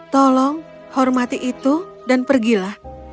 tolong hormati itu dan pergilah